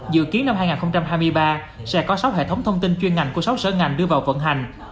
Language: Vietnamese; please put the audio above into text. dự kiến năm hai nghìn hai mươi ba sẽ có sáu hệ thống thông tin chuyên ngành của sáu sở ngành đưa vào vận hành